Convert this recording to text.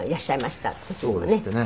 そうですってね。